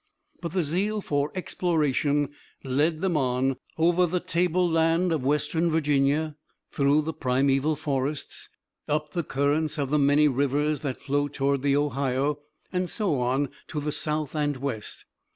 But the zeal for exploration led them on, over the table land of western Virginia, through the primeval forests, up the currents of the many rivers that flow toward the Ohio, and so on to the south and west.